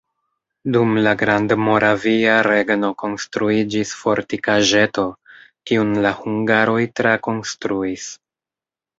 Dum la Grandmoravia regno konstruiĝis fortikaĵeto, kiun la hungaroj trakonstruis.